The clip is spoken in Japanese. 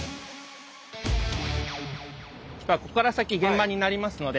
ここから先現場になりますので。